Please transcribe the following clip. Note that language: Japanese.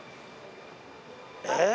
えっ？